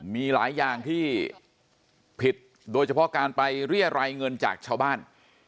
มีหลายอย่างที่ผิดโดยเฉพาะการไปเรียรายเงินจากชาวบ้าน